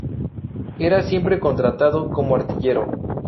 Era siempre contratado como artillero.